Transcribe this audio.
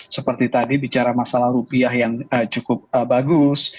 seperti tadi bicara masalah rupiah yang cukup bagus